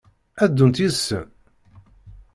Ad ddunt yid-sen?